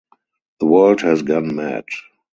The world has gone mad.